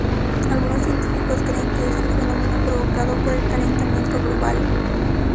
Algunos científicos creen que es un fenómeno provocado por el calentamiento global.